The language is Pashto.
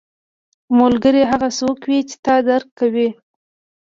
ملګری هغه څوک وي چې تا درک کوي